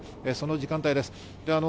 その時間帯です。